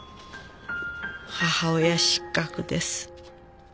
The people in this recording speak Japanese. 「母親失格です」